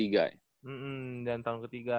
dan tahun ke tiga